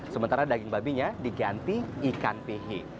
sementara daging babinya diganti ikan pihi